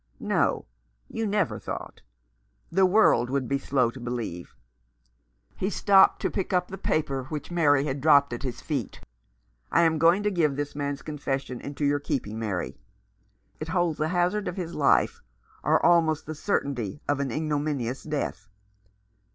No, you never thought — the world would be slow to believe "— he stopped to pick up the paper which Mary had dropped at his feet. " I am going to give this man's confession into your keeping, Mary. It holds the hazard of his life, or almost the certainty of an ignominious death.